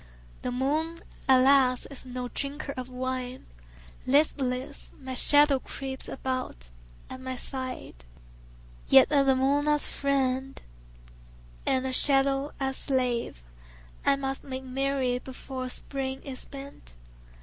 The moon, alas, is no drinker of wine; Listless, my shadow creeps about at my side. Yet with the moon as friend and the shadow as slave I must make merry before the Spring is spent.